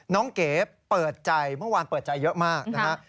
เก๋เปิดใจเมื่อวานเปิดใจเยอะมากนะฮะ